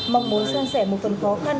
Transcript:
mong muốn sang sẻ một phần khó khăn